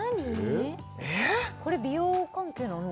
これ美容関係なの？